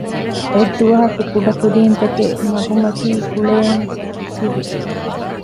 އެއްދުވަހަކު ކުޑަކުދީންތަކެއް މަގުމަތީ ކުޅޭން ތިވި